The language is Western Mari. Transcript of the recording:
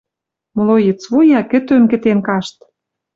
Млоец вуя кӹтӧм кӹтен кашт!